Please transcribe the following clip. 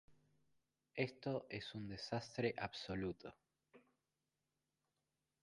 Esto es un desastre absoluto.